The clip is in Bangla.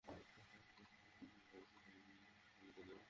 তুই ওর পিঠে একটা ঘুষি দিলে ওর দম বের হয়ে যাবে।